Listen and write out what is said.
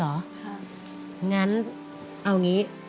เหงั้นเอางี้